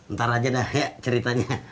ntar aja dah ya ceritanya